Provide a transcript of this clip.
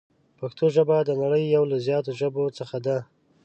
پښتو ژبه د نړۍ یو له زیاتو ژبو څخه ده.